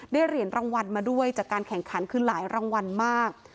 เหรียญรางวัลมาด้วยจากการแข่งขันคือหลายรางวัลมาก